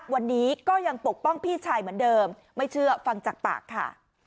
วันนี้ก็ยังปกป้องพี่ชายเหมือนเดิมไม่เชื่อฟังจากปากค่ะ